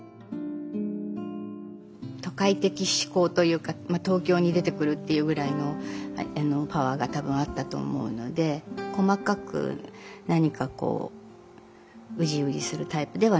都会的思考というか東京に出てくるっていうぐらいのパワーが多分あったと思うので細かく何かこうウジウジするタイプではなかったですね。